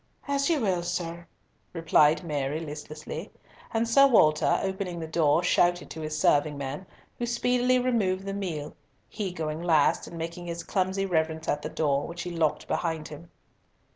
"As you will, sir," replied Mary, listlessly. And Sir Walter, opening the door, shouted to his serving man, who speedily removed the meal, he going last and making his clumsy reverence at the door, which he locked behind him.